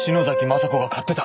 昌子が買ってた！